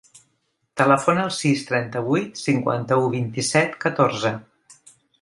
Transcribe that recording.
Telefona al sis, trenta-vuit, cinquanta-u, vint-i-set, catorze.